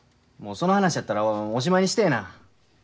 もうその話やったらおしまいにしてえな。